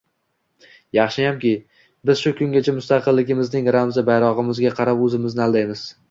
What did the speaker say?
Yaxshiyamki, biz shu kungacha mustaqilligimizning ramzi --- bayrog'imizga qarab o'zimizni aldaymiz